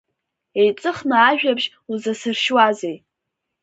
Еиҵыхны ажәабжь узасыршьуазеи.